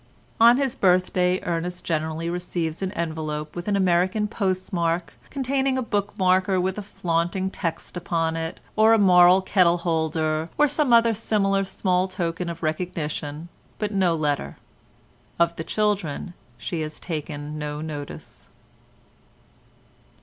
On his birthday Ernest generally receives an envelope with an American post mark containing a book marker with a flaunting text upon it, or a moral kettle holder, or some other similar small token of recognition, but no letter. Of the children she has taken no notice.